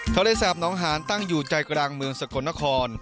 ทะเลสาบน้องหานตั้งอยู่ใจกลางเมืองสกลนคร